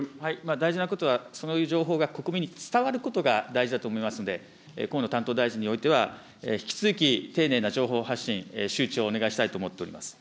大事なことは、そういう情報が国民に伝わることが大事だと思いますので、河野担当大臣においては、引き続き、丁寧な情報発信、周知をお願いしたいと思っております。